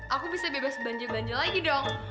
aku bisa bebas banjir banjir lagi dong